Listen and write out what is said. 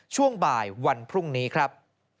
ช่วงบ่ายวันพรุ่งนี้ครับ